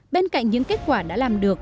bên cạnh những kết quả đã làm được